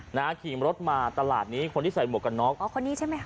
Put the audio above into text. นะฮะขี่รถมาตลาดนี้คนที่ใส่หมวกกันน็อกอ๋อคนนี้ใช่ไหมคะ